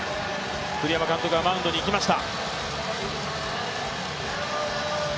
栗山監督がマウンドに行きました。